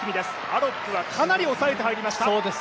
アロップはかなり抑えて入りました。